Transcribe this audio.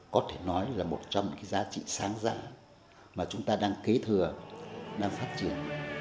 có thể nói là một trong những giá trị sáng giá mà chúng ta đang kế thừa đang phát triển